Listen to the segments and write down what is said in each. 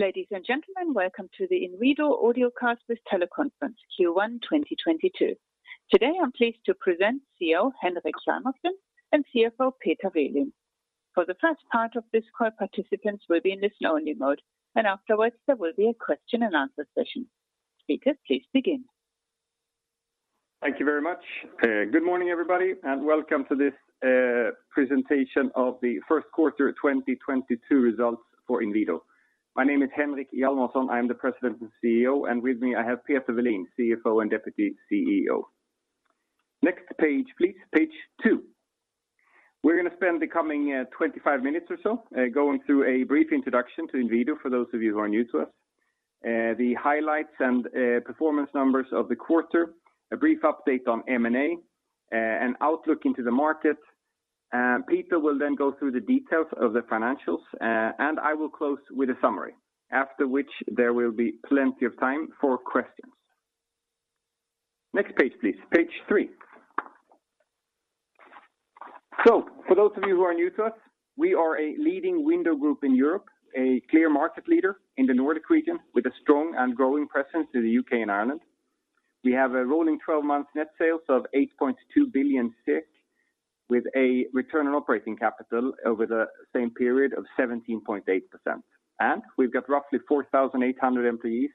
Ladies and gentlemen, welcome to the Inwido Audiocast with Teleconference Q1 2022. Today, I'm pleased to present CEO Henrik Hjalmarsson and CFO Peter Welin. For the first part of this call, participants will be in listen-only mode, and afterwards, there will be a question and answer session. Speakers, please begin. Thank you very much. Good morning, everybody, and welcome to this Presentation of the first quarter 2022 results for Inwido. My name is Henrik Hjalmarsson. I am the President and CEO, and with me, I have Peter Welin, CFO and Deputy CEO. Next page, please. Page two. We're gonna spend the coming 25 minutes or so going through a brief introduction to Inwido for those of you who are new to us. The highlights and performance numbers of the quarter, a brief update on M&A, an outlook into the market. Peter will then go through the details of the financials, and I will close with a summary. After which, there will be plenty of time for questions. Next page, please. Page three. For those of you who are new to us, we are a leading window group in Europe, a clear market leader in the Nordic region with a strong and growing presence in the U.K. and Ireland. We have a rolling 12-month net sales of 8.2 billion, with a return on operating capital over the same period of 17.8%. We've got roughly 4,800 employees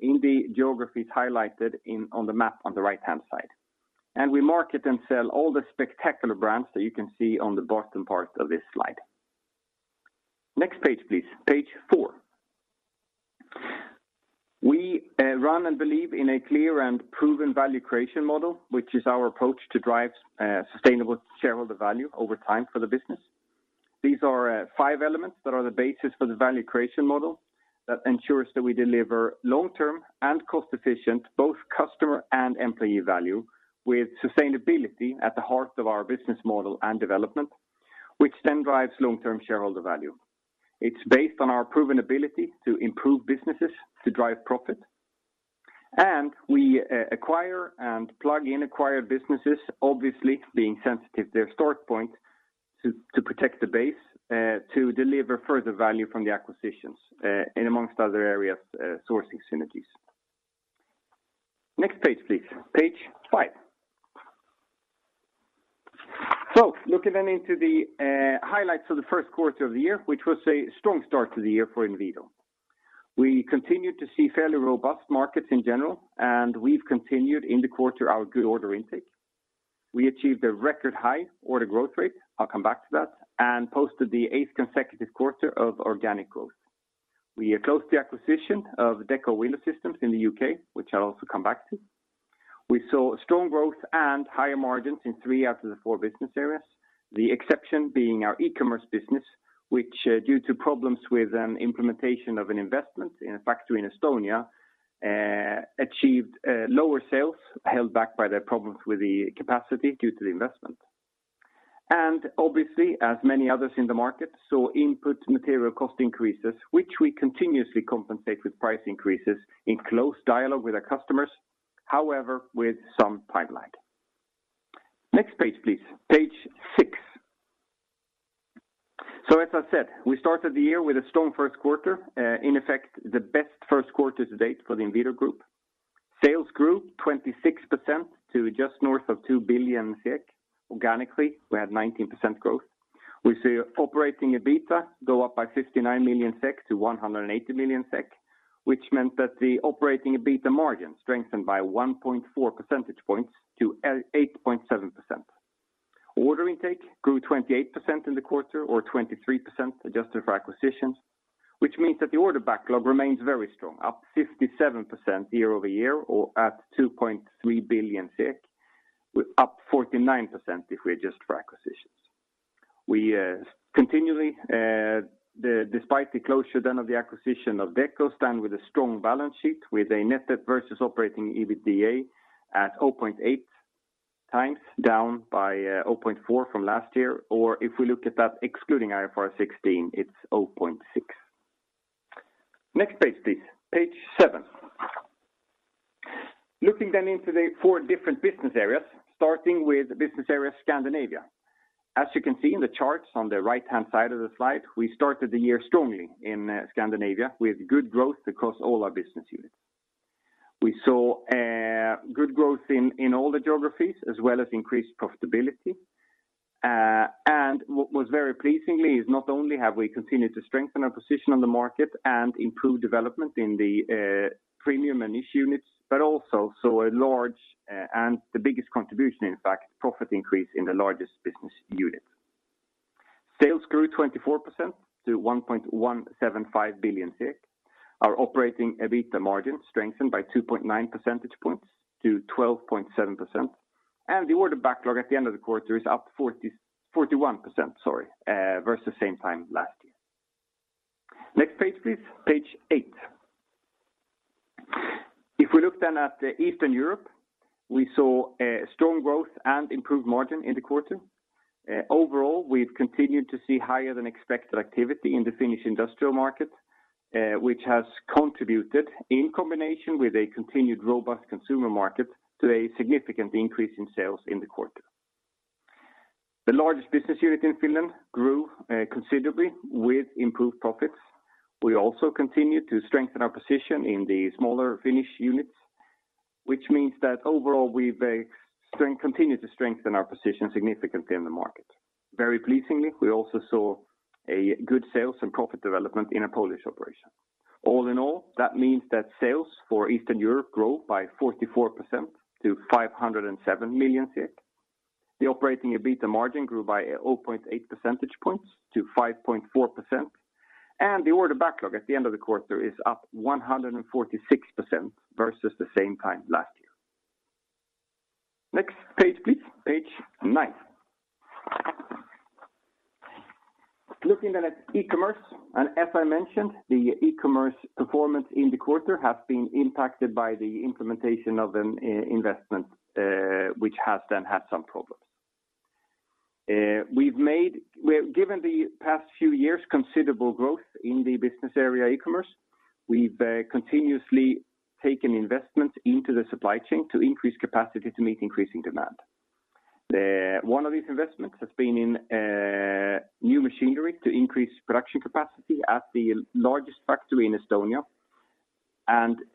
in the geographies highlighted on the map on the right-hand side. We market and sell all the spectacular brands that you can see on the bottom part of this slide. Next page, please. Page four. We run and believe in a clear and proven value creation model, which is our approach to drive sustainable shareholder value over time for the business. These are five elements that are the basis for the value creation model that ensures that we deliver long-term and cost-efficient, both customer and employee value, with sustainability at the heart of our business model and development, which then drives long-term shareholder value. It's based on our proven ability to improve businesses to drive profit. We acquire and plug in acquired businesses, obviously being sensitive to their start point to protect the base, to deliver further value from the acquisitions, and amongst other areas, sourcing synergies. Next page, please. Page five. Looking into the highlights for the first quarter of the year, which was a strong start to the year for Inwido. We continued to see fairly robust markets in general, and we've continued in the quarter our good order intake. We achieved a record high order growth rate, I'll come back to that, and posted the eighth consecutive quarter of organic growth. We closed the acquisition of Dekko Window Systems in the U.K., which I'll also come back to. We saw strong growth and higher margins in three out of the four business areas. The exception being our e-commerce business, which, due to problems with implementation of an investment in a factory in Estonia, achieved lower sales held back by the problems with the capacity due to the investment. Obviously, as many others in the market, we saw input material cost increases, which we continuously compensate with price increases in close dialogue with our customers, however, with some timeline. Next page, please. Page six. As I said, we started the year with a strong first quarter, in effect, the best first quarter to date for the Inwido Group. Sales grew 26% to just north of 2 billion. Organically, we had 19% growth. We see operating EBITDA go up by 59 million SEK to 180 million, which meant that the operating EBITDA margin strengthened by 1.4 percentage points to 8.7%. Order intake grew 28% in the quarter or 23% adjusted for acquisitions, which means that the order backlog remains very strong, up 57% year-over-year or at 2.3 billion SEK, up 49% if we adjust for acquisitions. We continually despite the closure then of the acquisition of Dekko, stand with a strong balance sheet with a net debt versus operating EBITDA at 0.8x, down by 0.4x from last year. If we look at that excluding IFRS 16, it's 0.6%. Next page, please. Page seven. Looking into the four different business areas, starting with business area Scandinavia. As you can see in the charts on the right-hand side of the slide, we started the year strongly in Scandinavia with good growth across all our business units. We saw good growth in all the geographies as well as increased profitability. What was very pleasing is not only have we continued to strengthen our position on the market and improve development in the premium and niche units, but also saw a large and the biggest contribution, in fact, profit increase in the largest business unit. Sales grew 24% to 1.175 billion. Our operating EBITDA margin strengthened by 2.9 percentage points to 12.7%. The order backlog at the end of the quarter is up 41%, sorry, versus same time last year. Next page, please. Page eight. If we look at Eastern Europe, we saw strong growth and improved margin in the quarter. Overall, we've continued to see higher than expected activity in the Finnish industrial market, which has contributed in combination with a continued robust consumer market to a significant increase in sales in the quarter. The largest business unit in Finland grew considerably with improved profits. We also continue to strengthen our position in the smaller Finnish units, which means that overall we continue to strengthen our position significantly in the market. Very pleasingly, we also saw a good sales and profit development in our Polish operation. All in all, that means that sales for Eastern Europe grow by 44% to 507 million. The operating EBITDA margin grew by 0.8 percentage points to 5.4%, and the order backlog at the end of the quarter is up 146% versus the same time last year. Next page, please. Page nine. Looking at e-commerce, as I mentioned, the e-commerce performance in the quarter has been impacted by the implementation of an investment, which has then had some problems. Given the past few years considerable growth in the business area e-commerce, we've continuously taken investment into the supply chain to increase capacity to meet increasing demand. One of these investments has been in new machinery to increase production capacity at the largest factory in Estonia.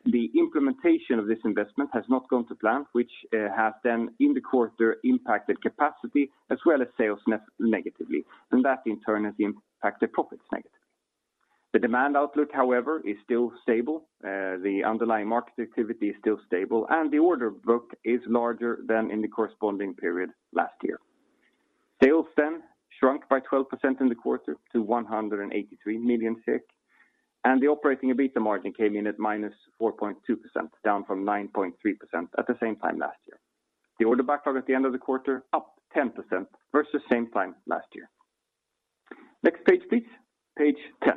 The implementation of this investment has not gone to plan, which has then in the quarter impacted capacity as well as sales negatively, and that in turn has impacted profits negatively. The demand outlook, however, is still stable. The underlying market activity is still stable, and the order book is larger than in the corresponding period last year. Sales then shrunk by 12% in the quarter to 183 million, and the operating EBITDA margin came in at -4.2%, down from 9.3% at the same time last year. The order backlog at the end of the quarter up 10% versus same time last year. Next page, please. Page 10.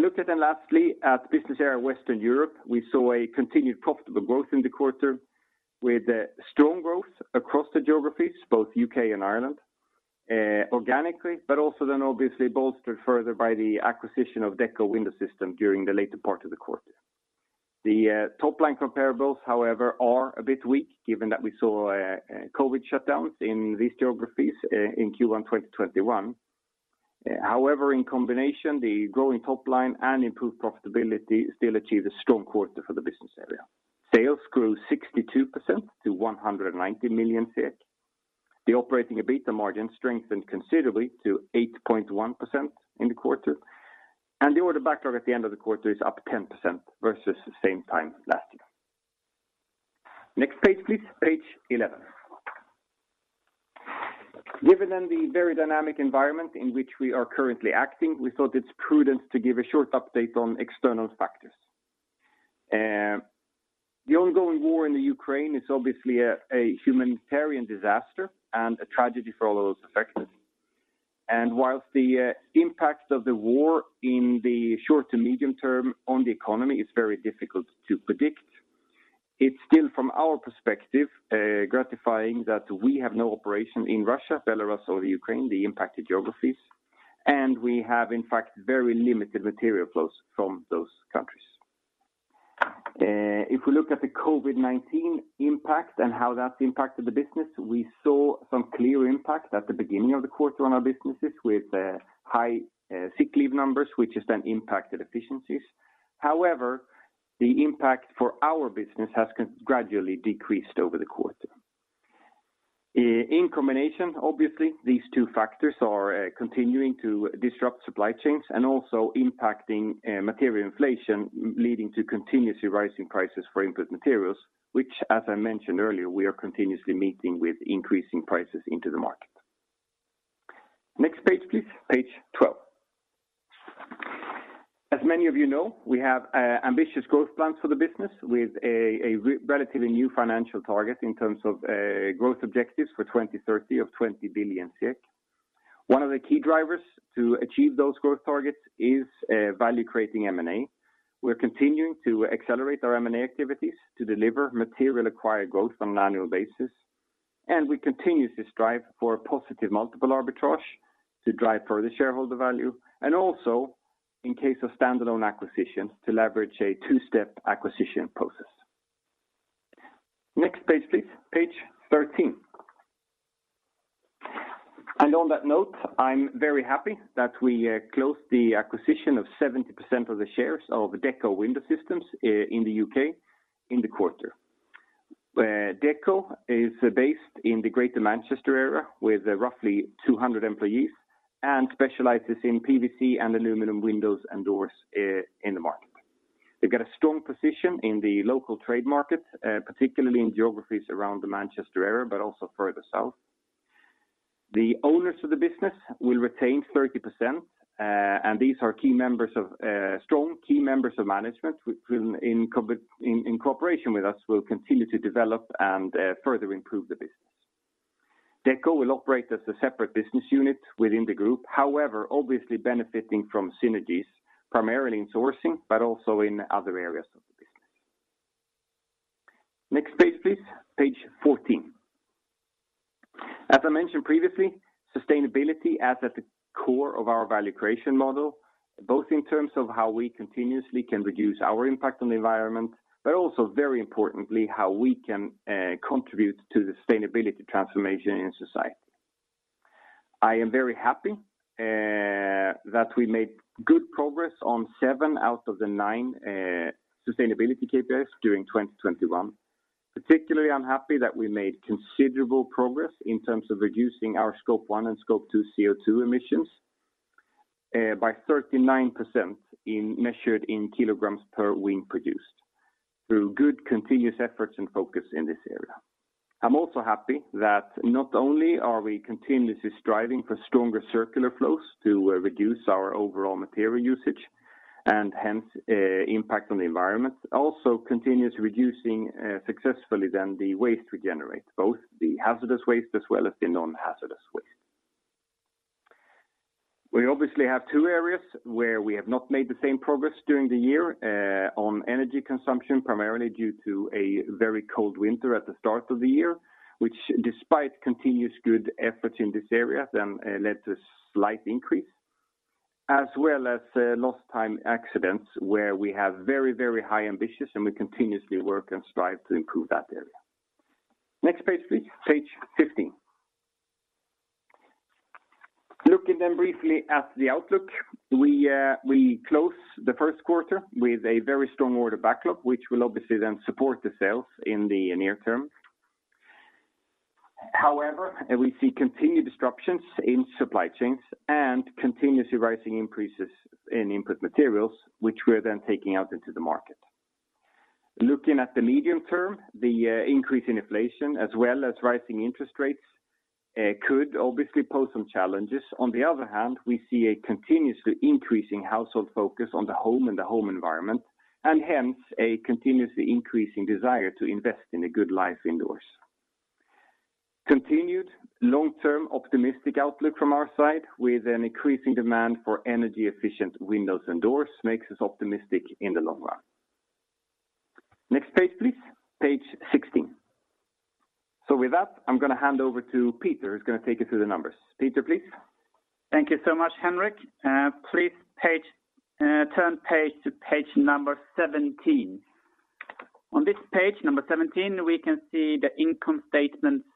Looking then lastly at business area Western Europe, we saw a continued profitable growth in the quarter with strong growth across the geographies, both U.K. and Ireland, organically, but also then obviously bolstered further by the acquisition of Dekko Window Systems during the later part of the quarter. The top line comparables, however, are a bit weak given that we saw COVID shutdowns in these geographies in Q1 2021. However, in combination, the growing top line and improved profitability still achieved a strong quarter for the business area. Sales grew 62% to 190 million. The operating EBITDA margin strengthened considerably to 8.1% in the quarter, and the order backlog at the end of the quarter is up 10% versus the same time last year. Next page, please. Page 11. Given then the very dynamic environment in which we are currently acting, we thought it's prudent to give a short update on external factors. The ongoing war in Ukraine is obviously a humanitarian disaster and a tragedy for all those affected. While the impact of the war in the short to medium term on the economy is very difficult to predict, it's still from our perspective gratifying that we have no operation in Russia, Belarus or the Ukraine, the impacted geographies, and we have in fact very limited material flows from those countries. If we look at the COVID-19 impact and how that's impacted the business, we saw some clear impact at the beginning of the quarter on our businesses with high sick leave numbers, which has then impacted efficiencies. However, the impact for our business has gradually decreased over the quarter. In combination, obviously, these two factors are continuing to disrupt supply chains and also impacting material inflation, leading to continuously rising prices for input materials, which as I mentioned earlier, we are continuously meeting with increasing prices into the market. Next page, please. Page 12. As many of you know, we have ambitious growth plans for the business with a relatively new financial target in terms of growth objectives for 2030 of 20 billion. One of the key drivers to achieve those growth targets is value creating M&A. We're continuing to accelerate our M&A activities to deliver material acquired growth on an annual basis, and we continuously strive for a positive multiple arbitrage to drive further shareholder value and also in case of standalone acquisitions to leverage a two-step acquisition process. Next page, please. Page 13. On that note, I'm very happy that we closed the acquisition of 70% of the shares of Dekko Window Systems in the U.K. in the quarter. Dekko is based in the Greater Manchester area with roughly 200 employees and specializes in PVC and aluminum windows and doors in the market. They've got a strong position in the local trade market, particularly in geographies around the Manchester area, but also further south. The owners of the business will retain 30%, and these are key members of strong management which will, in combination, in cooperation with us, continue to develop and further improve the business. Dekko will operate as a separate business unit within the group, however, obviously benefiting from synergies primarily in sourcing but also in other areas of the business. Next page, please. Page 14. As I mentioned previously, sustainability is at the core of our value creation model, both in terms of how we continuously can reduce our impact on the environment, but also very importantly, how we can contribute to the sustainability transformation in society. I am very happy that we made good progress on seven out of the nine sustainability KPIs during 2021. Particularly, I'm happy that we made considerable progress in terms of reducing our Scope 1 and Scope 2 CO2 emissions by 39% measured in kilograms per wing produced through good continuous efforts and focus in this area. I'm also happy that not only are we continuously striving for stronger circular flows to reduce our overall material usage and hence impact on the environment, also continuously reducing successfully then the waste we generate, both the hazardous waste as well as the non-hazardous waste. We obviously have two areas where we have not made the same progress during the year on energy consumption, primarily due to a very cold winter at the start of the year, which despite continuous good efforts in this area then led to slight increase, as well as lost time accidents where we have very, very high ambitions, and we continuously work and strive to improve that area. Next page, please. Page 15. Looking then briefly at the outlook, we close the first quarter with a very strong order backlog, which will obviously then support the sales in the near term. However, we see continued disruptions in supply chains and continuously rising increases in input materials, which we're then taking out into the market. Looking at the medium term, the increase in inflation as well as rising interest rates could obviously pose some challenges. On the other hand, we see a continuously increasing household focus on the home and the home environment, and hence a continuously increasing desire to invest in a good life indoors. Continued long-term optimistic outlook from our side with an increasing demand for energy efficient windows and doors makes us optimistic in the long run. Next page, please. Page 16. With that, I'm gonna hand over to Peter, who's gonna take you through the numbers. Peter, please? Thank you so much, Henrik. Please turn to page 17. On this page, 17, we can see the income statements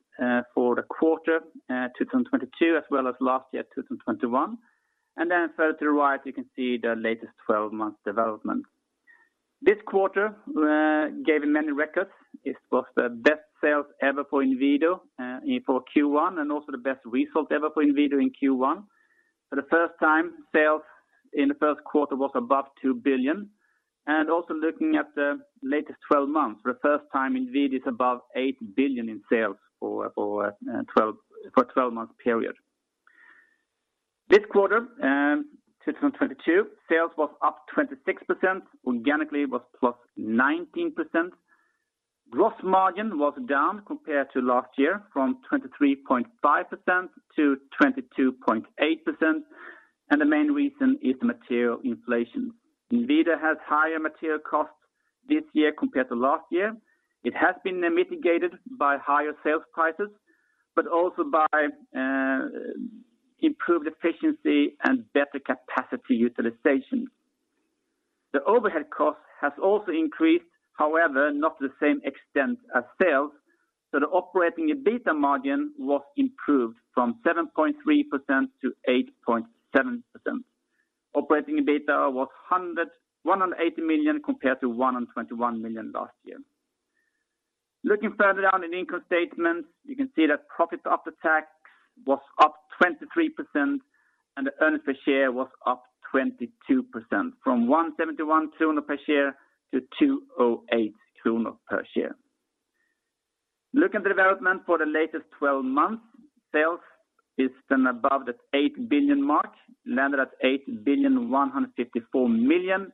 for the quarter 2022, as well as last year, 2021. Further to the right, you can see the latest 12-month development. This quarter gave many records. It was the best sales ever for Inwido for Q1, and also the best result ever for Inwido in Q1. For the first time, sales in the first quarter was above 2 billion. Looking at the latest 12 months, for the first time, Inwido is above 8 billion in sales for a 12-month period. This quarter 2022, sales was up 26%. Organically, it was +19%. Gross margin was down compared to last year from 23.5% to 22.8%, and the main reason is the material inflation. Inwido has higher material costs this year compared to last year. It has been mitigated by higher sales prices, but also by improved efficiency and better capacity utilization. The overhead cost has also increased, however, not to the same extent as sales. The operating EBITDA margin was improved from 7.3% to 8.7%. Operating EBITDA was 180 million compared to 121 million last year. Looking further down in income statements, you can see that profits after tax was up 23%, and the earnings per share was up 22% from 1.71 kronor per share to 2.08 kronor per share. Looking at the development for the latest 12 months, sales is then above that 8 billion mark, landed at 8.154 billion.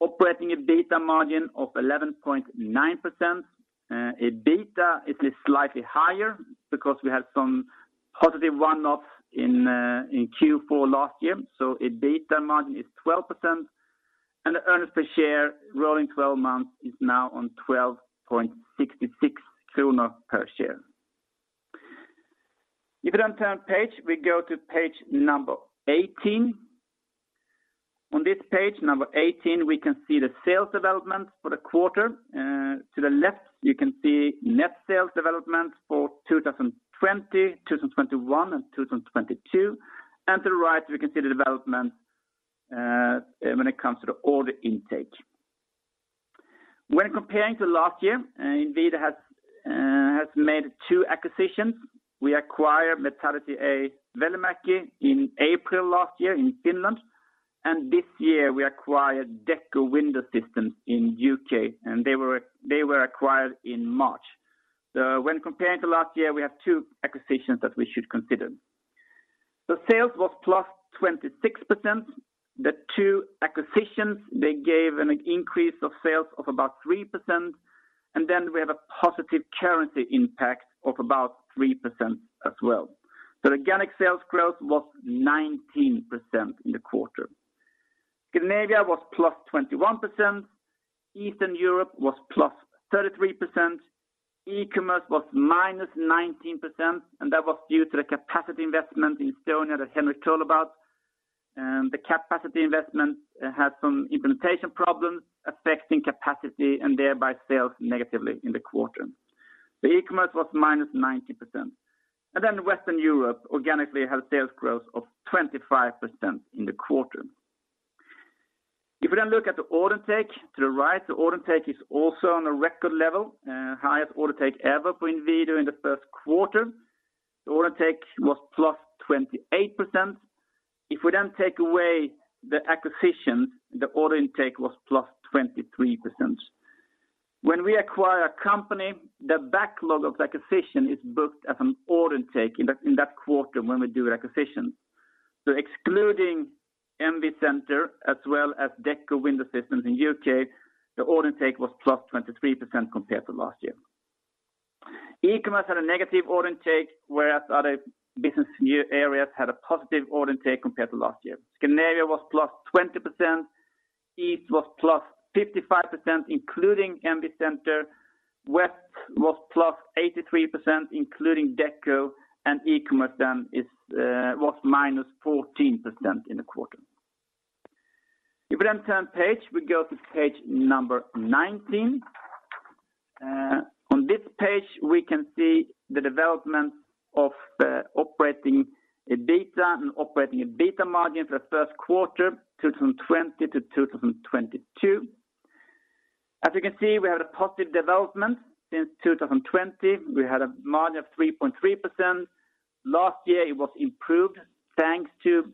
Operating EBITDA margin of 11.9%. EBITDA, it is slightly higher because we had some positive one-offs in Q4 last year. EBITDA margin is 12%, and the earnings per share rolling 12 months is now on 12.66 kronor per share. If you then turn page, we go to page number 18. On this page, number 18, we can see the sales development for the quarter. To the left, you can see net sales development for 2020, 2021 and 2022. To the right, we can see the development, when it comes to the order intake. When comparing to last year, Inwido has made two acquisitions. We acquired Metallityö Välimäki Oy in April last year in Finland, and this year we acquired Dekko Window Systems in U.K., and they were acquired in March. When comparing to last year, we have two acquisitions that we should consider. The sales was +26%. The two acquisitions, they gave an increase of sales of about 3%, and then we have a positive charity impact of about 3% as well. The organic sales growth was 19% in the quarter. Scandinavia was +21%. Eastern Europe was +33%. e-commerce was -19%, and that was due to the capacity investment in Estonia that Henrik told about. The capacity investment has some implementation problems affecting capacity and thereby sales negatively in the quarter. The e-commerce was -90%. Western Europe organically had a sales growth of 25% in the quarter. If we then look at the order take to the right, the order take is also on a record level, highest order take ever for Inwido in the first quarter. The order take was +28%. If we then take away the acquisitions, the order intake was +23%. When we acquire a company, the backlog of the acquisition is booked as an order intake in that quarter when we do acquisition. Excluding MV Center as well as Dekko Window Systems in U.K., the order intake was +23% compared to last year. e-commerce had a negative order intake, whereas other business areas had a positive order intake compared to last year. Scandinavia was +20%. East was +55%, including MV Center. West was +83%, including Dekko, and e-commerce was -14% in the quarter. If we turn to page 19. On this page, we can see the development of Operating EBITDA and Operating EBITDA margin for the first quarter 2020 to 2022. As you can see, we have a positive development since 2020. We had a margin of 3.3%. Last year, it was improved, thanks to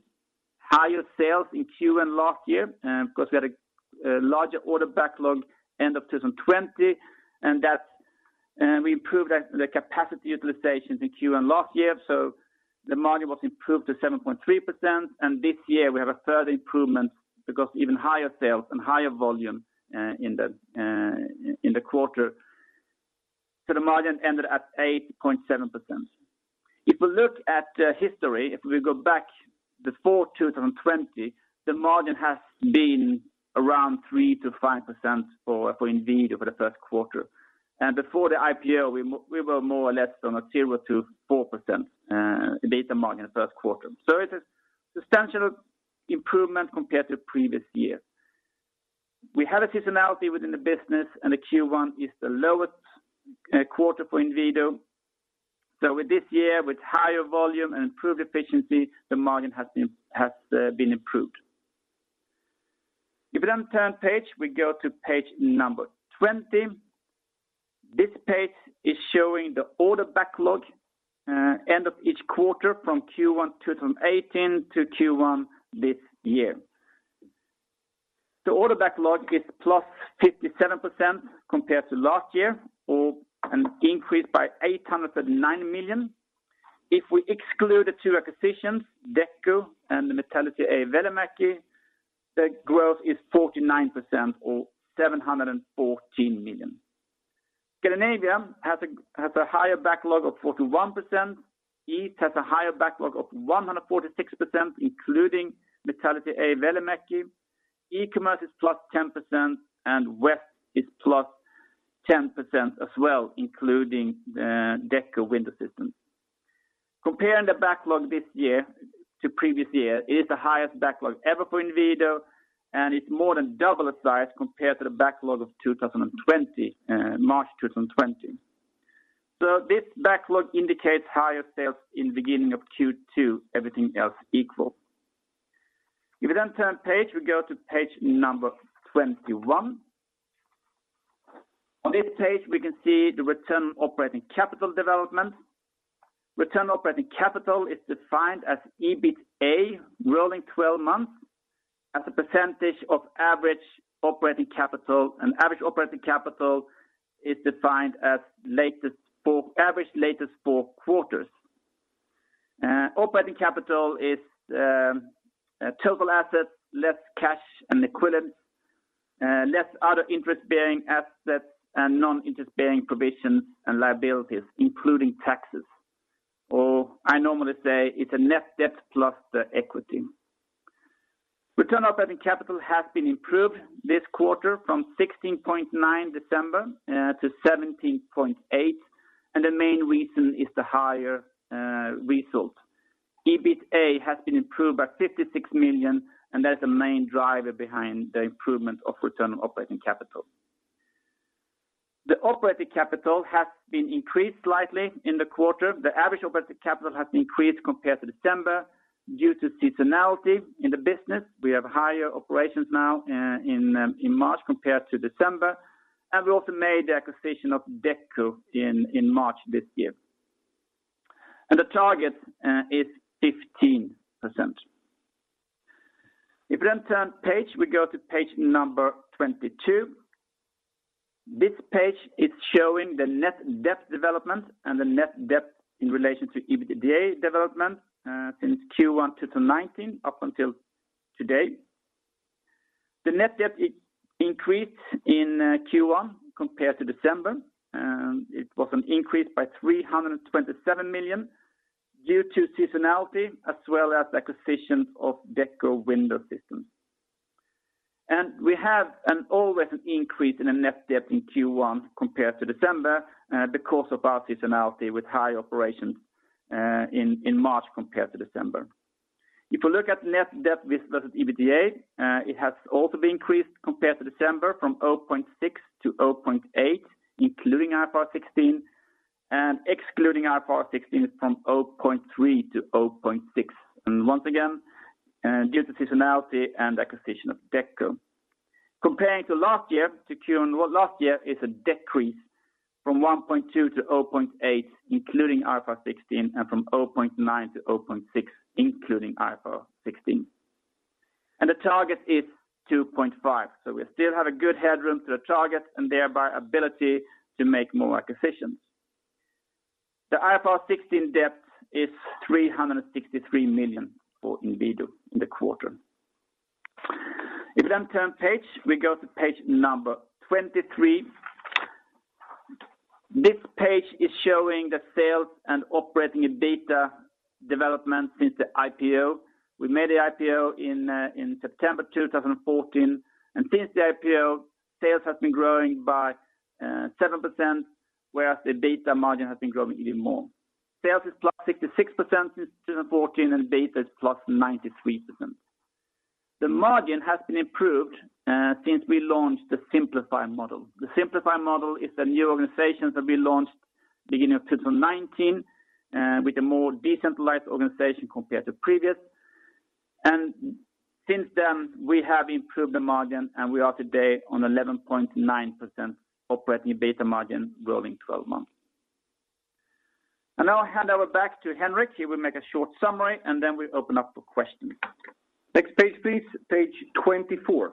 higher sales in Q1 last year, because we had a larger order backlog end of 2020. We improved the capacity utilizations in Q1 last year, so the margin was improved to 7.3%. This year, we have a further improvement because even higher sales and higher volume in the quarter. The margin ended at 8.7%. If we look at history, if we go back before 2020, the margin has been around 3%-5% for Inwido for the first quarter. Before the IPO, we were more or less from a 0%-4% EBITDA margin the first quarter. It is substantial improvement compared to previous year. We had a seasonality within the business, and the Q1 is the lowest quarter for Inwido. With this year, with higher volume and improved efficiency, the margin has been improved. If we then turn page, we go to page 20. This page is showing the order backlog end of each quarter from Q1 2018 to Q1 this year. The order backlog is +57% compared to last year or an increase by 809 million. If we exclude the two acquisitions, Dekko and Metallityö Välimäki, the growth is 49% or 714 million. Scandinavia has a higher backlog of 41%. East has a higher backlog of 146%, including Metallityö Välimäki. E-commerce is +10%, and West is +10% as well, including Dekko Window Systems. Comparing the backlog this year to previous year, it is the highest backlog ever for Inwido, and it's more than double the size compared to the backlog of March 2020. This backlog indicates higher sales in beginning of Q2, everything else equal. If we then turn page, we go to page number 21. On this page, we can see the return operating capital development. Return operating capital is defined as EBITA rolling 12 months as a percentage of average operating capital, and average operating capital is defined as average latest four quarters. Operating capital is total assets, less cash and equivalents, less other interest-bearing assets and non-interest-bearing provisions and liabilities, including taxes. Or I normally say it's a net debt plus the equity. Return operating capital has been improved this quarter from 16.9 December to 17.8%, and the main reason is the higher result. EBITA has been improved by 56 million, and that's the main driver behind the improvement of return operating capital. The operating capital has been increased slightly in the quarter. The average operating capital has been increased compared to December due to seasonality in the business. We have higher operations now in March compared to December, and we also made the acquisition of Dekko in March this year. The target is 15%. If we then turn to page, we go to page number 22. This page is showing the net debt development and the net debt in relation to EBITDA development since Q1 2019 up until today. The net debt increased in Q1 compared to December. It was an increase by 327 million due to seasonality as well as acquisitions of Dekko Window Systems. We always have an increase in net debt in Q1 compared to December, because of our seasonality with high operations in March compared to December. If you look at net debt versus EBITDA, it has also been increased compared to December from 0.6% to 0.8%, including IFRS 16 and excluding IFRS 16 from 0.3% to 0.6%. Once again, due to seasonality and acquisition of Dekko. Comparing to last year, Q1 last year is a decrease from 1.2% to 0.8%, including IFRS 16, and from 0.9% to 0.6%, excluding IFRS 16. The target is 2.5%. We still have a good headroom to the target and thereby ability to make more acquisitions. The IFRS 16 debt is 363 million for Inwido in the quarter. If we then turn page, we go to page 23. This page is showing the sales and operating EBITDA development since the IPO. We made the IPO in September 2014, and since the IPO, sales has been growing by 7%, whereas the EBITDA margin has been growing even more. Sales is +66% since 2014, and EBITDA is +93%. The margin has been improved since we launched the Simplify model. The Simplify model is the new organizations that we launched beginning of 2019 with a more decentralized organization compared to previous. Since then, we have improved the margin, and we are today on 11.9% operating EBITDA margin rolling 12 months. Now I hand over back to Henrik. He will make a short summary, and then we open up for questions. Next page, please. Page 24.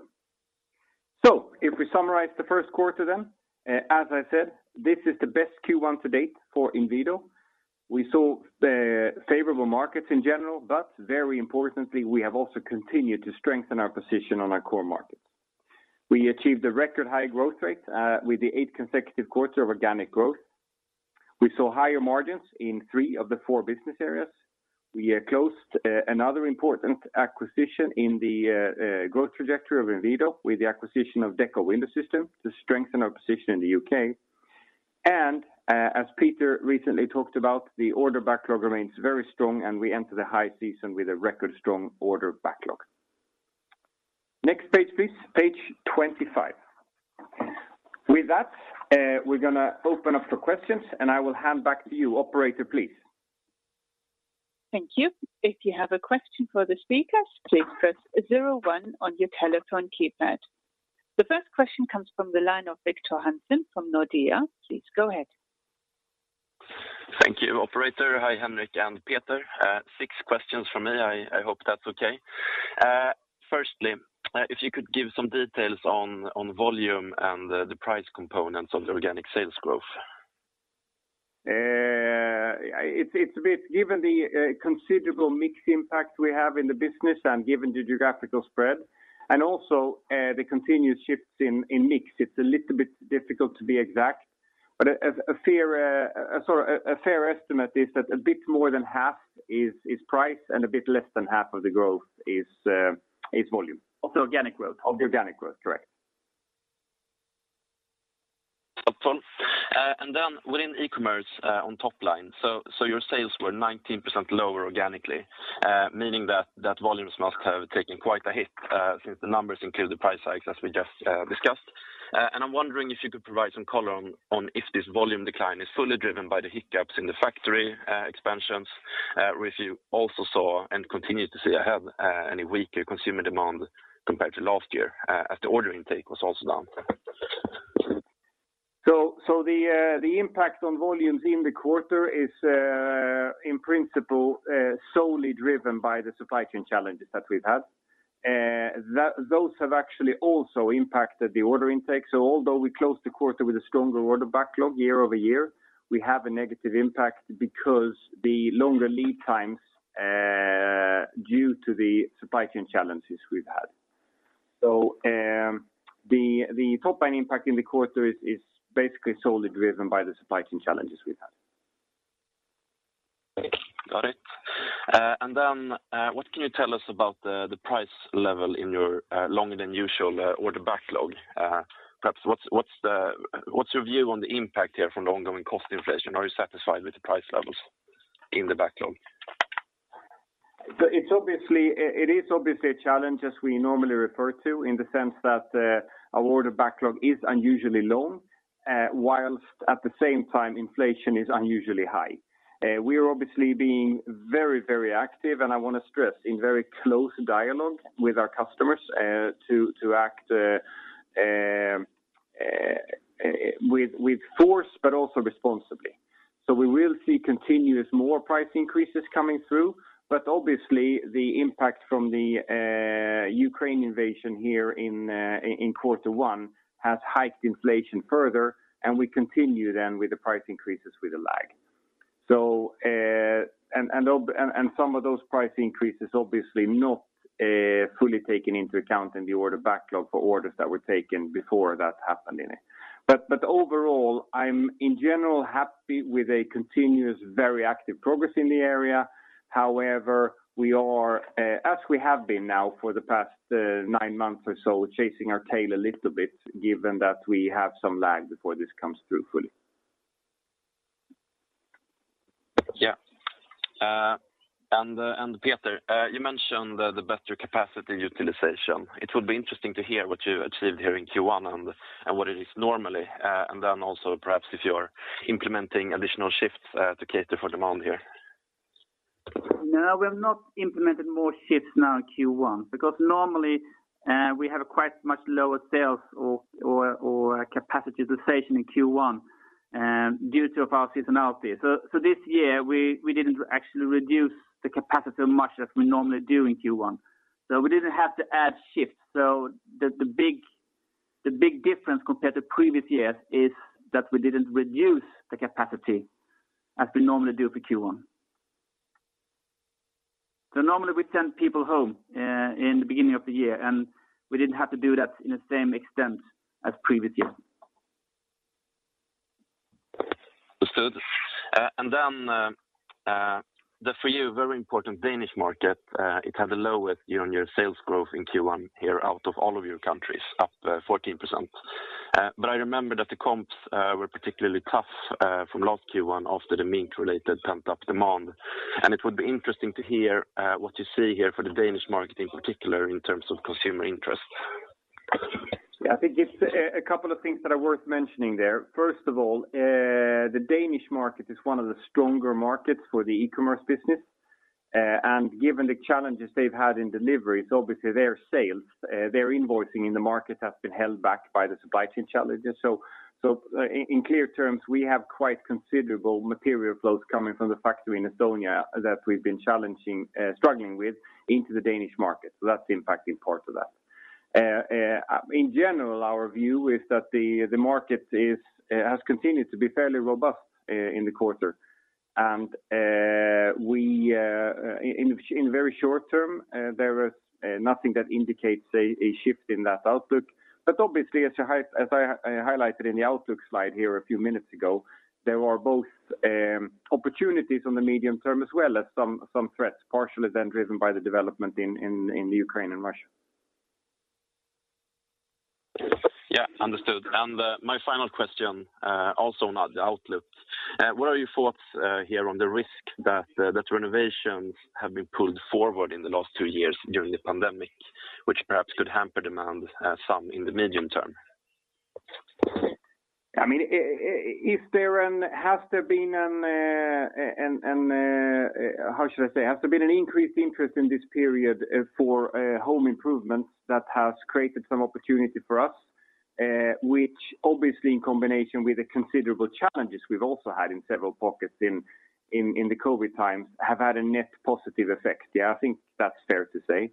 If we summarize the first quarter then, as I said, this is the best Q1 to date for Inwido. We saw the favorable markets in general, but very importantly, we have also continued to strengthen our position on our core markets. We achieved a record high growth rate, with the eight consecutive quarter of organic growth. We saw higher margins in three of the four business areas. We closed another important acquisition in the growth trajectory of Inwido with the acquisition of Dekko Window Systems to strengthen our position in the U.K. As Peter recently talked about, the order backlog remains very strong, and we enter the high season with a record strong order backlog. Next page, please. Page 25. With that, we're gonna open up for questions, and I will hand back to you, Operator, please. Thank you. If you have a question for the speakers, please press zero one on your telephone keypad. The first question comes from the line of Victor Hansen from Nordea. Please go ahead. Thank you, operator. Hi, Henrik and Peter. Six questions from me. I hope that's okay. Firstly, if you could give some details on volume and the price components of the organic sales growth. It's a bit given the considerable mix impact we have in the business and given the geographical spread and also the continuous shifts in mix, it's a little bit difficult to be exact. A fair estimate is that a bit more than half is price and a bit less than half of the growth is volume. Of the organic growth? Of the organic growth, correct. Spot on. Within e-commerce, on top line, so your sales were 19% lower organically, meaning that volumes must have taken quite a hit, since the numbers include the price hikes as we just discussed. I'm wondering if you could provide some color on if this volume decline is fully driven by the hiccups in the factory expansions, or if you also saw and continue to see ahead any weaker consumer demand compared to last year, as the order intake was also down? The impact on volumes in the quarter is, in principle, solely driven by the supply chain challenges that we've had. Those have actually also impacted the order intake. Although we closed the quarter with a stronger order backlog year-over-year, we have a negative impact because the longer lead times due to the supply chain challenges we've had. The top line impact in the quarter is basically solely driven by the supply chain challenges we've had. Got it. What can you tell us about the price level in your longer than usual order backlog? Perhaps what's your view on the impact here from the ongoing cost inflation? Are you satisfied with the price levels in the backlog? It is obviously a challenge as we normally refer to in the sense that the order backlog is unusually low, while at the same time inflation is unusually high. We are obviously being very, very active, and I want to stress in very close dialogue with our customers to act with force, but also responsibly. We will see continuous more price increases coming through. Obviously, the impact from the Ukraine invasion here in quarter one has hiked inflation further, and we continue then with the price increases with a lag. Some of those price increases obviously not fully taken into account in the order backlog for orders that were taken before that happened in it. Overall, I'm in general happy with a continuous, very active progress in the area. However, we are, as we have been now for the past nine months or so, chasing our tail a little bit given that we have some lag before this comes through fully. Yeah. Peter, you mentioned the better capacity utilization. It would be interesting to hear what you achieved here in Q1 and what it is normally. Also perhaps if you're implementing additional shifts to cater for demand here? No, we have not implemented more shifts now in Q1 because normally, we have quite much lower sales or capacity utilization in Q1, due to our seasonality. This year we didn't actually reduce the capacity much as we normally do in Q1. We didn't have to add shifts. The big difference compared to previous years is that we didn't reduce the capacity as we normally do for Q1. Normally we send people home in the beginning of the year, and we didn't have to do that to the same extent as previous years. Understood. The for you very important Danish market, it had the lowest year-on-year sales growth in Q1 here out of all of your countries, up 14%. I remember that the comps were particularly tough from last Q1 after the mink-related pent-up demand. It would be interesting to hear what you see here for the Danish market in particular in terms of consumer interest. Yeah, I think it's a couple of things that are worth mentioning there. First of all, the Danish market is one of the stronger markets for the e-commerce business. Given the challenges they've had in deliveries, obviously their sales, their invoicing in the market has been held back by the supply chain challenges. So in clear terms, we have quite considerable material flows coming from the factory in Estonia that we've been struggling with into the Danish market. So that's impacting parts of that. In general, our view is that the market has continued to be fairly robust in the quarter. In very short term, there is nothing that indicates a shift in that outlook. Obviously, as I highlighted in the outlook slide here a few minutes ago, there are both opportunities on the medium term as well as some threats, partially then driven by the development in Ukraine and Russia. Yeah. Understood. My final question, also on the outlook. What are your thoughts here on the risk that renovations have been pulled forward in the last two years during the pandemic, which perhaps could hamper demand some in the medium term? I mean, has there been an increased interest in this period for home improvements that has created some opportunity for us, which obviously in combination with the considerable challenges we've also had in several pockets in the COVID times, have had a net positive effect? Yeah, I think that's fair to say.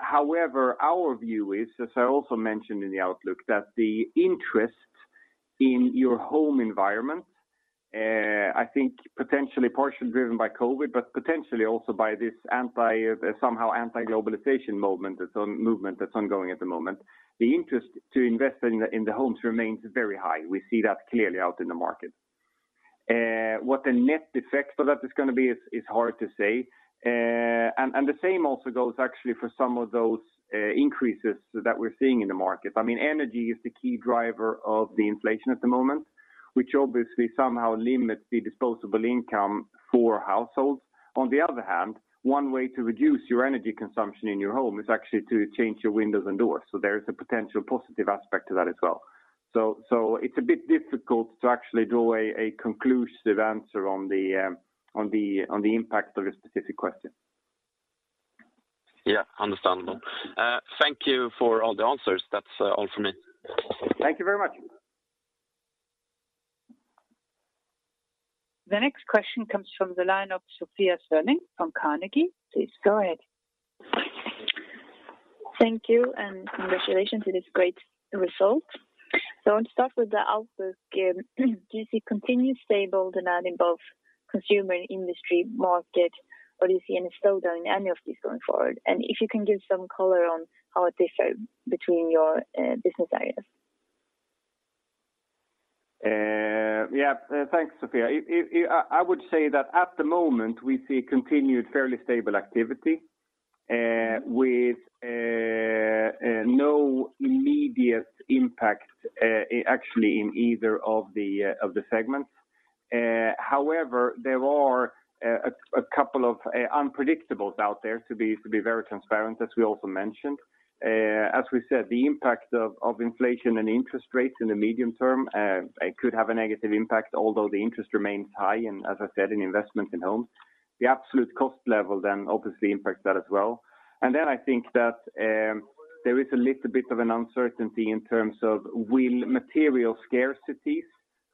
However, our view is, as I also mentioned in the outlook, that the interest in your home environment, I think potentially partially driven by COVID, but potentially also by this somehow anti-globalization movement that's ongoing at the moment. The interest to invest in the homes remains very high. We see that clearly out in the market. What the net effect for that is gonna be is hard to say. The same also goes actually for some of those increases that we're seeing in the market. I mean, energy is the key driver of the inflation at the moment, which obviously somehow limits the disposable income for households. On the other hand, one way to reduce your energy consumption in your home is actually to change your windows and doors. There is a potential positive aspect to that as well. It's a bit difficult to actually draw a conclusive answer on the impact of your specific question. Yeah. Understandable. Thank you for all the answers. That's all for me. Thank you very much. The next question comes from the line of Sofia Sörling from Carnegie. Please go ahead. Thank you, and congratulations on this great result. I want to start with the outlook. Do you see continued stable demand in both consumer and industry market, or do you see any slowdown in any of these going forward? If you can give some color on how it differ between your business areas. Yeah. Thanks, Sofia. I would say that at the moment, we see continued fairly stable activity with no immediate impact, actually in either of the segments. However, there are a couple of unpredictables out there to be very transparent, as we also mentioned. As we said, the impact of inflation and interest rates in the medium term, it could have a negative impact, although the interest remains high and, as I said, in investment in homes. The absolute cost level then obviously impacts that as well. Then I think that there is a little bit of an uncertainty in terms of will material scarcities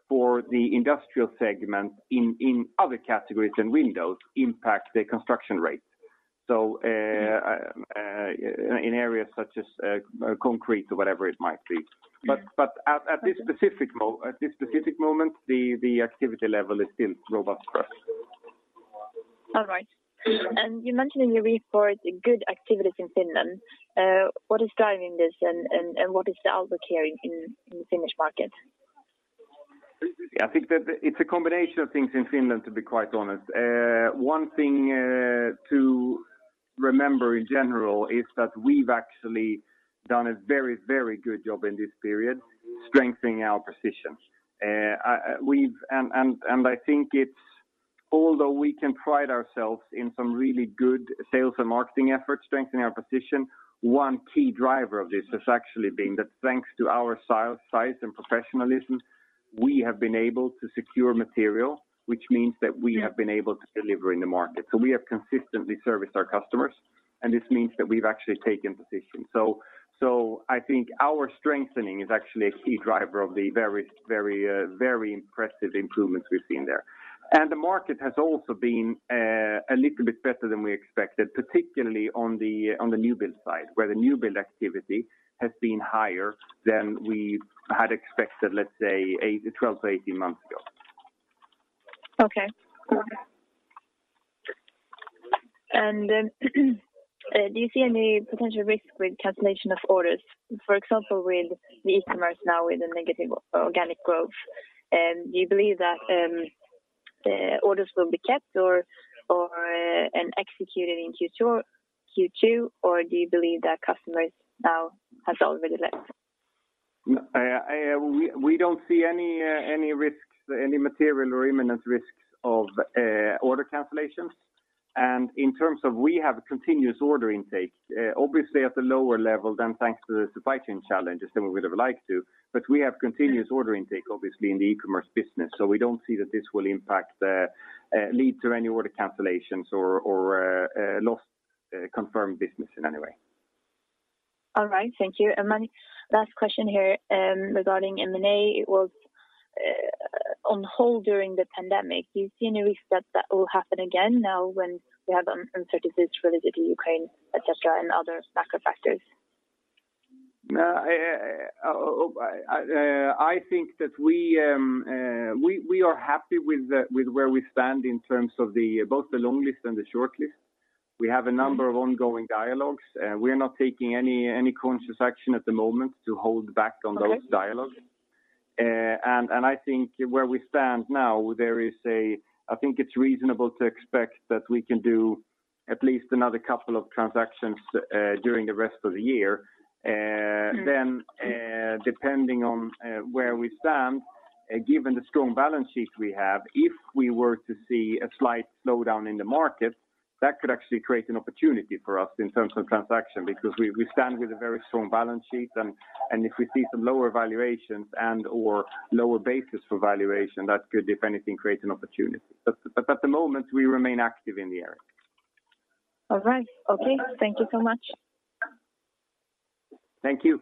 for the industrial segment in other categories than windows impact the construction rates? In areas such as concrete or whatever it might be. At this specific moment, the activity level is still robust for us. All right. You mentioned in your report good activities in Finland. What is driving this and what is the outlook here in the Finnish market? I think that it's a combination of things in Finland, to be quite honest. One thing to remember in general is that we've actually done a very good job in this period strengthening our position. Although we can pride ourselves in some really good sales and marketing efforts strengthening our position, one key driver of this has actually been that thanks to our size and professionalism, we have been able to secure material, which means that we have been able to deliver in the market. We have consistently serviced our customers, and this means that we've actually taken position. I think our strengthening is actually a key driver of the very impressive improvements we've seen there. The market has also been a little bit better than we expected, particularly on the new build side, where the new build activity has been higher than we had expected, let's say 12-18 months ago. Okay. Do you see any potential risk with cancellation of orders? For example, with the e-commerce now with a negative organic growth, do you believe that orders will be kept or executed in Q2 or do you believe that customers now has already left? No. We don't see any risks, any material or imminent risks of order cancellations. In terms of we have a continuous order intake, obviously at a lower level thanks to the supply chain challenges than we would have liked to. We have continuous order intake, obviously in the e-commerce business. We don't see that this will impact or lead to any order cancellations or lost confirmed business in any way. All right. Thank you. My last question here, regarding M&A. It was on hold during the pandemic. Do you see any risk that that will happen again now when we have uncertainties related to Ukraine, et cetera, and other macro factors? I think that we are happy with where we stand in terms of both the long list and the short list. We have a number of ongoing dialogues. We are not taking any conscious action at the moment to hold back on those dialogues. I think where we stand now, I think it's reasonable to expect that we can do at least another couple of transactions during the rest of the year. Depending on where we stand, given the strong balance sheet we have, if we were to see a slight slowdown in the market, that could actually create an opportunity for us in terms of transaction. Because we stand with a very strong balance sheet and if we see some lower valuations and/or lower basis for valuation, that could, if anything, create an opportunity. At the moment, we remain active in the area. All right. Okay. Thank you so much. Thank you.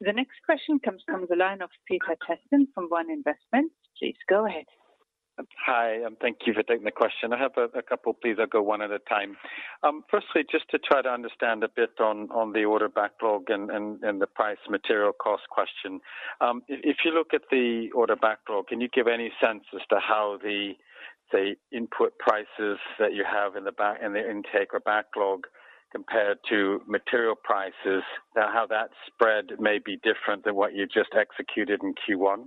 The next question comes from the line of [inaudible] from Van Investment. Please go ahead. Hi, thank you for taking the question. I have a couple, please. I'll go one at a time. Firstly, just to try to understand a bit on the order backlog and the price material cost question. If you look at the order backlog, can you give any sense as to how the input prices that you have in the intake or backlog compared to material prices, now how that spread may be different than what you just executed in Q1?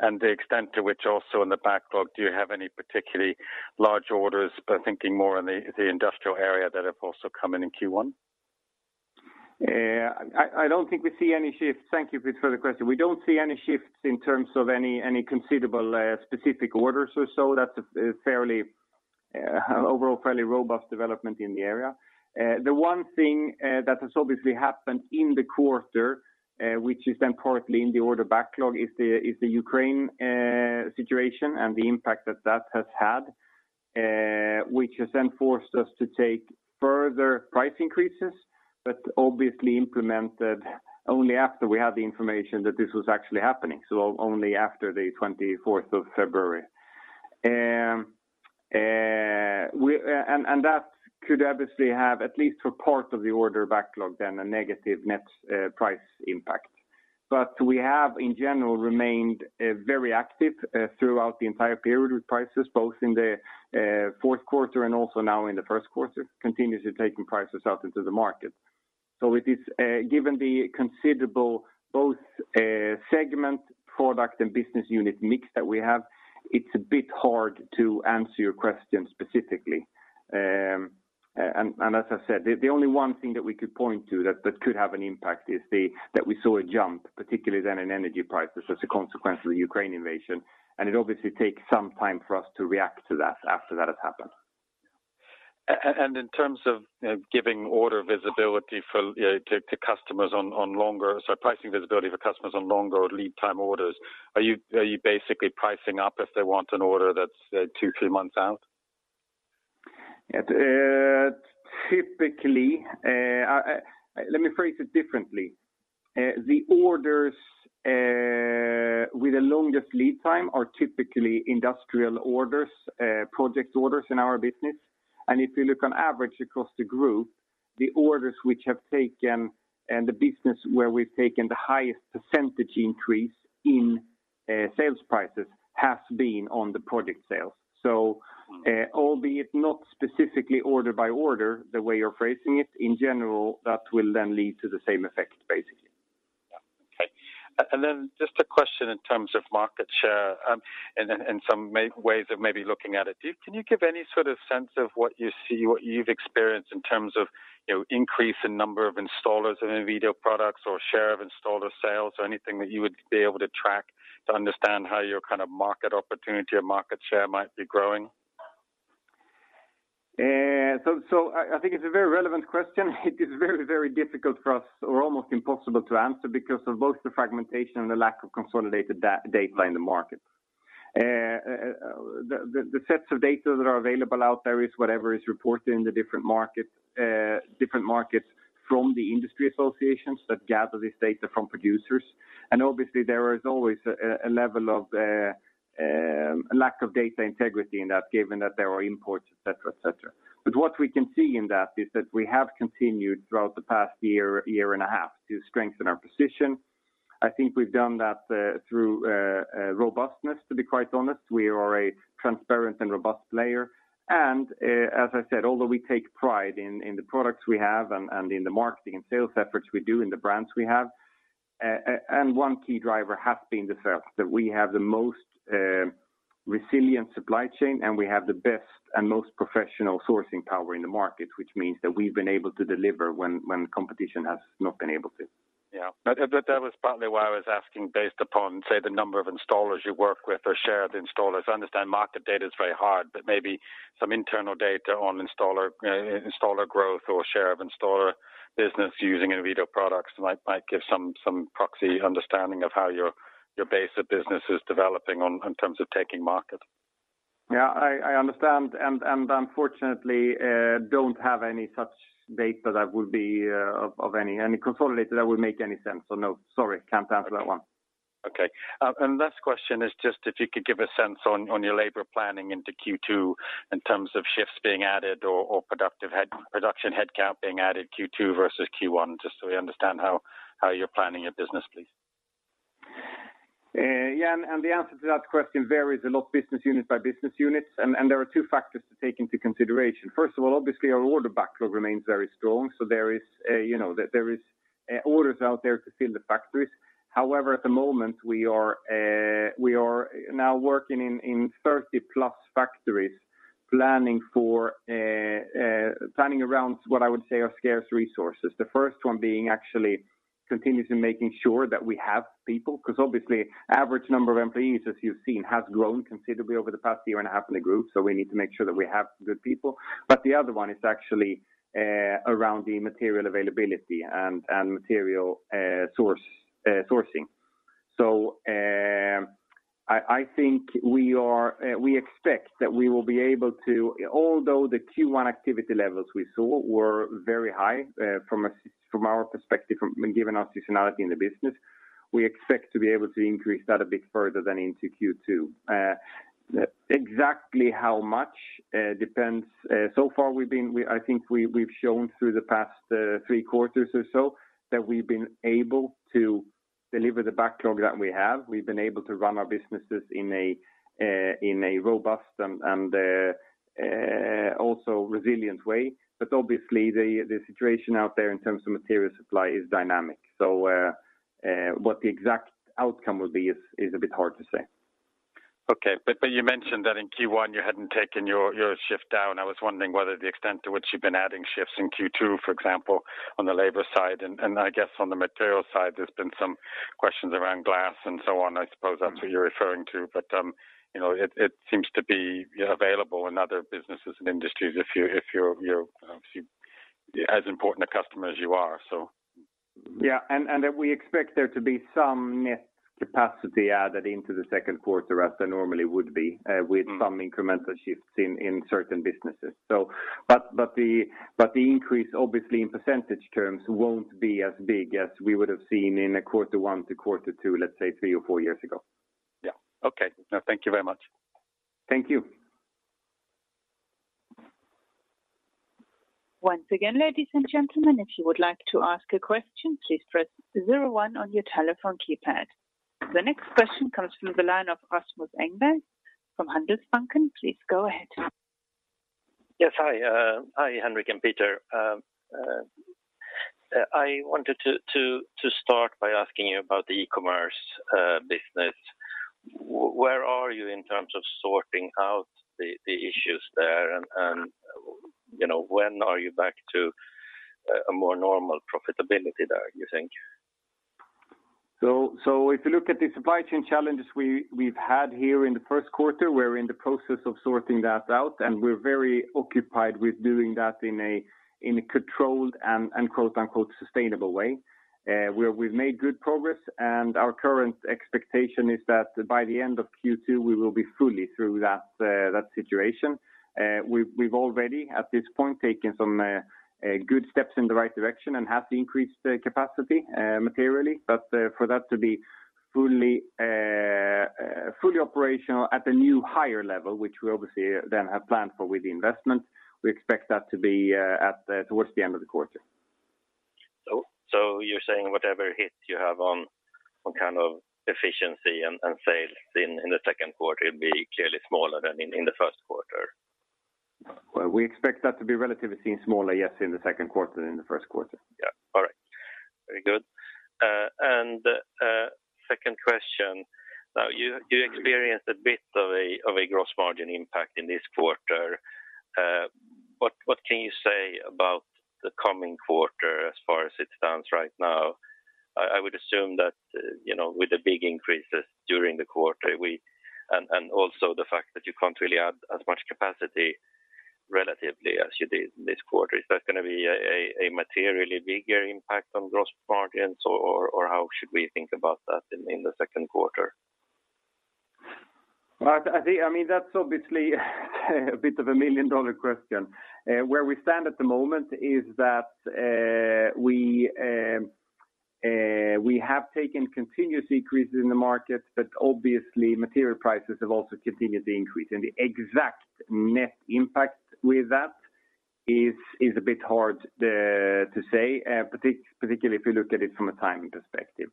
The extent to which also in the backlog, do you have any particularly large orders, but thinking more in the industrial area that have also come in in Q1? I don't think we see any shifts. Thank you, Peter, for the question. We don't see any shifts in terms of any considerable specific orders or so. That's a fairly overall fairly robust development in the area. The one thing that has obviously happened in the quarter, which is then partly in the order backlog, is the Ukraine situation and the impact that that has had. Which has then forced us to take further price increases, but obviously implemented only after we had the information that this was actually happening, so only after the 24th of February. That could obviously have, at least for part of the order backlog then, a negative net price impact. We have in general remained very active throughout the entire period with prices both in the fourth quarter and also now in the first quarter, continuously taking prices out into the market. So it is given the considerable both segment product and business unit mix that we have, it's a bit hard to answer your question specifically. And as I said, the only one thing that we could point to that could have an impact is that we saw a jump, particularly then in energy prices as a consequence of the Ukraine invasion. It obviously takes some time for us to react to that after that has happened. In terms of giving order visibility to customers on longer, so pricing visibility for customers on longer lead time orders, are you basically pricing up if they want an order that's two to three months out? Typically, let me phrase it differently. The orders with the longest lead time are typically industrial orders, project orders in our business. If you look on average across the group, the orders which have taken and the business where we've taken the highest percentage increase in sales prices has been on the project sales. Albeit not specifically order by order the way you're phrasing it, in general, that will then lead to the same effect, basically. Just a question in terms of market share, and some ways of maybe looking at it. Can you give any sort of sense of what you see, what you've experienced in terms of, you know, increase in number of installers of Inwido products or share of installer sales or anything that you would be able to track to understand how your kind of market opportunity or market share might be growing? I think it's a very relevant question. It is very, very difficult for us or almost impossible to answer because of both the fragmentation and the lack of consolidated data in the market. The sets of data that are available out there is whatever is reported in the different markets from the industry associations that gather this data from producers. And obviously there is always a level of lack of data integrity in that, given that there are imports, et cetera. But what we can see in that is that we have continued throughout the past year and a half to strengthen our position. I think we've done that through robustness, to be quite honest. We are a transparent and robust player. As I said, although we take pride in the products we have and in the marketing and sales efforts we do in the brands we have, and one key driver has been the fact that we have the most resilient supply chain, and we have the best and most professional sourcing power in the market, which means that we've been able to deliver when competition has not been able to. Yeah. That was partly why I was asking based upon, say, the number of installers you work with or share the installers. I understand market data is very hard, but maybe some internal data on installer growth or share of installer business using Inwido products might give some proxy understanding of how your base of business is developing in terms of taking market. Yeah, I understand and unfortunately don't have any such data that would be of any consolidator that would make any sense. No, sorry, can't answer that one. Okay. Last question is just if you could give a sense on your labor planning into Q2 in terms of shifts being added or production headcount being added Q2 versus Q1, just so we understand how you're planning your business, please. Yeah, the answer to that question varies a lot business unit by business unit. There are two factors to take into consideration. First of all, obviously our order backlog remains very strong. There is, you know, orders out there to fill the factories. However, at the moment, we are now working in 30+ factories planning around what I would say are scarce resources. The first one being actually continuously making sure that we have people, because obviously, average number of employees, as you've seen, has grown considerably over the past year and a half in the group. We need to make sure that we have good people. The other one is actually around the material availability and material sourcing. I think we expect that we will be able to. Although the Q1 activity levels we saw were very high, from our perspective, given our seasonality in the business, we expect to be able to increase that a bit further into Q2. Exactly how much depends. So far I think we've shown through the past three quarters or so that we've been able to deliver the backlog that we have. We've been able to run our businesses in a robust and also resilient way. Obviously, the situation out there in terms of material supply is dynamic. What the exact outcome will be is a bit hard to say. Okay. You mentioned that in Q1, you hadn't taken your shift down. I was wondering whether the extent to which you've been adding shifts in Q2, for example, on the labor side, and I guess on the material side, there's been some questions around glass and so on. I suppose that's what you're referring to. You know, it seems to be, you know, available in other businesses and industries if you're as important a customer as you are, so. Yeah. We expect there to be some net capacity added into the second quarter as there normally would be, with some incremental shifts in certain businesses. The increase obviously in percentage terms won't be as big as we would have seen in a quarter one to quarter two, let's say three or four years ago. Yeah. Okay. No, thank you very much. Thank you. Once again, ladies and gentlemen, if you would like to ask a question, please press zero-one on your telephone keypad. The next question comes from the line of Rasmus Engberg from Handelsbanken. Please go ahead. Yes. Hi. Hi, Henrik and Peter. I wanted to start by asking you about the e-commerce business. Where are you in terms of sorting out the issues there and, you know, when are you back to a more normal profitability there, you think? If you look at the supply chain challenges we've had here in the first quarter, we're in the process of sorting that out, and we're very occupied with doing that in a controlled and quote-unquote sustainable way, where we've made good progress. Our current expectation is that by the end of Q2, we will be fully through that situation. We've already at this point taken some good steps in the right direction and have increased the capacity materially. For that to be fully operational at a new higher level, which we obviously then have planned for with the investment, we expect that to be towards the end of the quarter. You're saying whatever hit you have on kind of efficiency and sales in the second quarter, it'd be clearly smaller than in the first quarter? Well, we expect that to be relatively seen smaller, yes, in the second quarter than in the first quarter. Yeah. All right. Very good. Second question. Now, you experienced a bit of a gross margin impact in this quarter. What can you say about the coming quarter as far as it stands right now? I would assume that, you know, with the big increases during the quarter, also the fact that you can't really add as much capacity relatively as you did this quarter, is that gonna be a materially bigger impact on gross margins or how should we think about that in the second quarter? I think I mean, that's obviously a bit of a million-dollar question. Where we stand at the moment is that we have taken continuous increases in the market, but obviously material prices have also continued to increase. The exact net impact with that is a bit hard to say, particularly if you look at it from a timing perspective.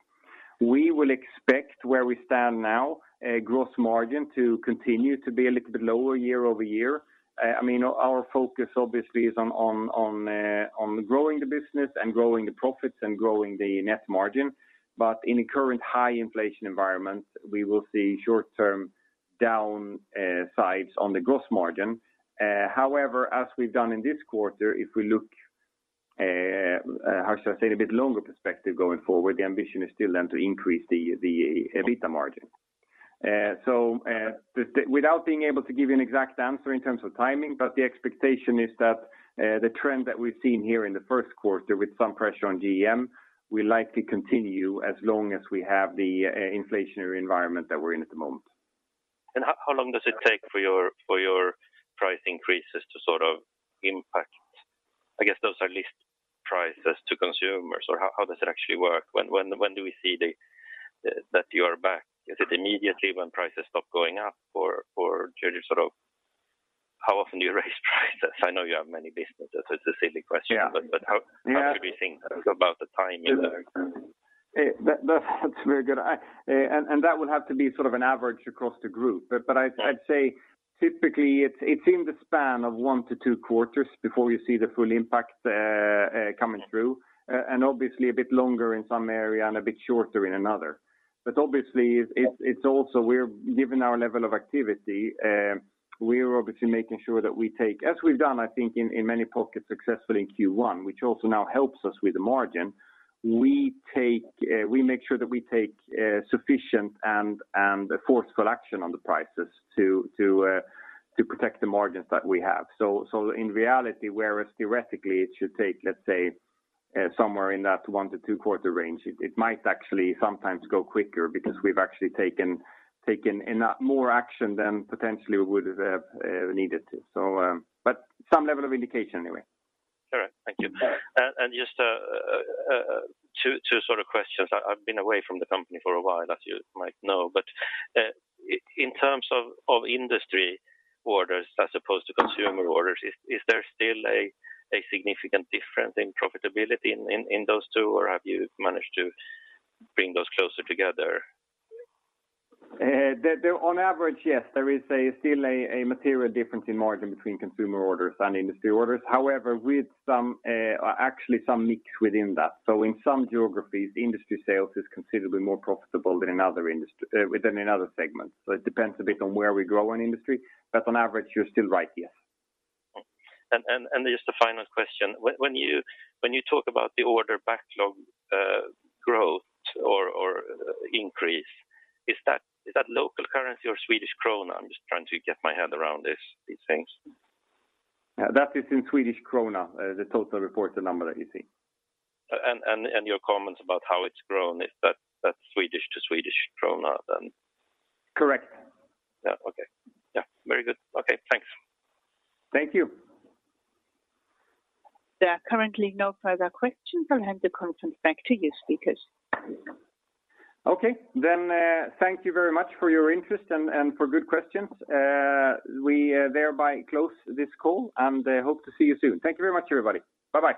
We expect where we stand now, a gross margin to continue to be a little bit lower year-over-year. I mean, our focus obviously is on growing the business and growing the profits and growing the net margin. In the current high inflation environment, we will see short-term downsides on the gross margin. However, as we've done in this quarter, if we look, how should I say it? A bit longer perspective going forward, the ambition is still then to increase the EBITDA margin. Without being able to give you an exact answer in terms of timing, the expectation is that the trend that we've seen here in the first quarter with some pressure on GM will likely continue as long as we have the inflationary environment that we're in at the moment. How long does it take for your price increases to sort of impact? I guess those are list prices to consumers, or how does it actually work? When do we see that you are back? Is it immediately when prices stop going up, or do you sort of. How often do you raise prices? I know you have many businesses, so it's a silly question. Yeah. But, but how- Yeah. How should we think about the timing there? That's very good. That will have to be sort of an average across the group. I'd say typically it's in the span of 1-2 quarters before you see the full impact coming through. Obviously a bit longer in some areas and a bit shorter in another. Obviously it's also, given our level of activity, we're obviously making sure that we take. As we've done, I think in many pockets successfully in Q1, which also now helps us with the margins, we make sure that we take sufficient and forceful collection on the prices to protect the margins that we have. In reality, whereas theoretically it should take, let's say, somewhere in that one to two quarter range, it might actually sometimes go quicker because we've actually taken more action than potentially we would have needed to. Some level of indication anyway. Correct. Thank you. Yeah. Just two sort of questions. I've been away from the company for a while, as you might know. In terms of industry orders as opposed to consumer orders, is there still a significant difference in profitability in those two, or have you managed to bring those closer together? On average, yes, there is still a material difference in margin between consumer orders and industry orders. However, with some, actually some mix within that. So in some geographies, industry sales is considerably more profitable than in other segments. So it depends a bit on where we grow in industry. But on average, you're still right, yes. Just a final question. When you talk about the order backlog, growth or increase, is that local currency or Swedish krona? I'm just trying to get my head around this, these things. Yeah, that is in Swedish krona, the total reported number that you see. Your comments about how it's grown, is that Swedish to Swedish krona then? Correct. Yeah. Okay. Yeah. Very good. Okay, thanks. Thank you. There are currently no further questions. I'll hand the conference back to you speakers. Okay. Thank you very much for your interest and for good questions. We thereby close this call, and hope to see you soon. Thank you very much, everybody. Bye-bye.